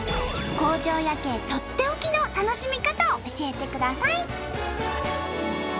工場夜景とっておきの楽しみかたを教えてください！